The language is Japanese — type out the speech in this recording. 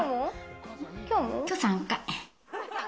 今日は３回。